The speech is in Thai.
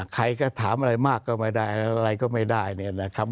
ใครก็ถามอะไรมากก็ไม่ได้อะไรก็ไม่ได้เนี่ยนะครับ